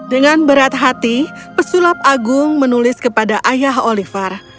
dengan berat hati pesulap agung menulis kepada ayah oliver